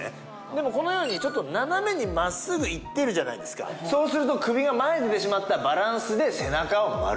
でもこのように斜めに真っすぐいってるじゃないですかそうすると首が前に出てしまったバランスで背中を丸める。